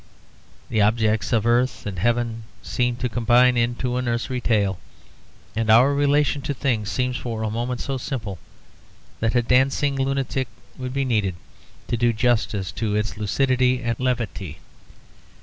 The objects of earth and heaven seem to combine into a nursery tale, and our relation to things seems for a moment so simple that a dancing lunatic would be needed to do justice to its lucidity and levity.